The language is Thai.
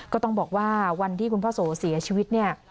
ก็ต้องบอกว่าวันที่คุณพ่อโสเสียชีวิตเนี่ย